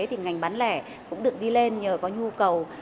thì ngành bán lẻ cũng được đi lên nhờ có nhu cầu